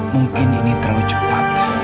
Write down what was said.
mungkin ini terlalu cepat